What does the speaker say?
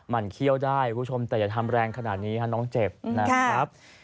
มันเขี้ยวได้คุณผู้ชมแต่อย่าทำแรงขนาดนี้ฮะน้องเจ็บนะครับ